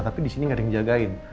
tapi disini gak ada yang jagain